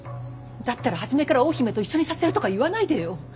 だったら初めから大姫と一緒にさせるとか言わないでよ。